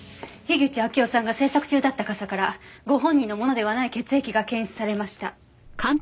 口秋生さんが制作中だった傘からご本人のものではない血液が検出されました。